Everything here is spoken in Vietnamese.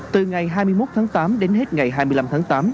từ ngày hai mươi một tháng tám đến hết ngày hai mươi năm tháng tám